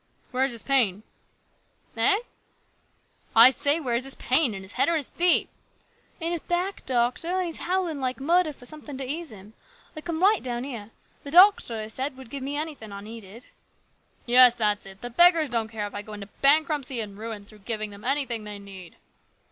" Where is his pain ?" "Eh?" " I say where is his pain ? In his head or feet?" " In his back, doctor ; an' he is hovvlin' like murder for somethin' to ease him. I come right down here. The doctor, he said, would give me anything I needed." " Yes, that's it. The beggars don't care if I go into bankruptcy and ruin through giving them anything they need."